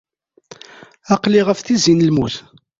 Aql-i ɣef tizi n lmut.